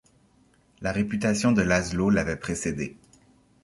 La réputation de László l'avait précédé.